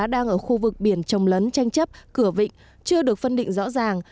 đang ở khu vực biển trồng lấn tranh chấp cửa vịnh chưa được phân định rõ ràng